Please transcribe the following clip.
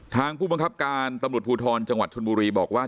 ผู้บังคับการตำรวจภูทรจังหวัดชนบุรีบอกว่า